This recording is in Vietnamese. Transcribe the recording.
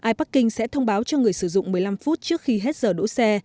iparking sẽ thông báo cho người sử dụng một mươi năm phút trước khi hết giờ đỗ xe